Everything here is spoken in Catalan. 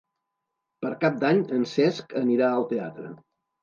Per Cap d'Any en Cesc anirà al teatre.